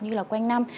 như là quanh năm